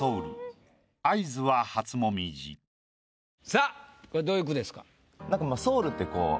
さぁこれどういう句ですか？